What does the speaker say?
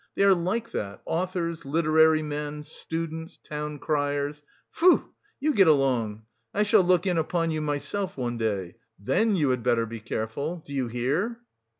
They are like that, authors, literary men, students, town criers.... Pfoo! You get along! I shall look in upon you myself one day. Then you had better be careful! Do you hear?"